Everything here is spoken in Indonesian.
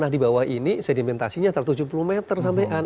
di bawah ini sedimentasinya satu ratus tujuh puluh meter sampai kan